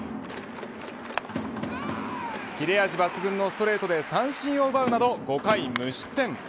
切れ味抜群のストレートで三振を奪うなど５回無失点。